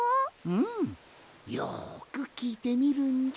うんよくきいてみるんじゃ。